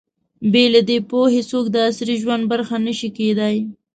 بې له دې پوهې، څوک د عصري ژوند برخه نه شي کېدای.